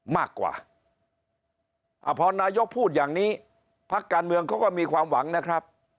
มากกว่าอ่าพอนายกพูดอย่างนี้พักการเมืองเขาก็มีความหวังนะครับ